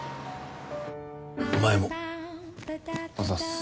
お前もあざす